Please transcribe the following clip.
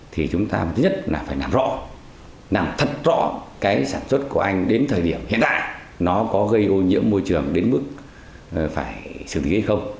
thì chúng ta thứ nhất là phải làm rõ làm thật rõ cái sản xuất của anh đến thời điểm hiện tại nó có gây ô nhiễm môi trường đến mức phải xử lý hay không